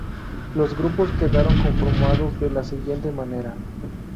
Los grupos quedaron conformados de la siguiente manera.